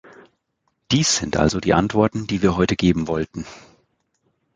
Dies sind also die Antworten, die wir heute geben wollten.